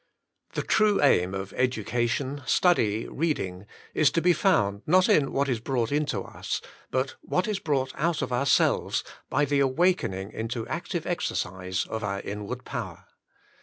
The true aim of education, study, reading, is to be found, not in what is brought into us, but in what is brought out of ourselves, by the awakening into active exercise of our inward power.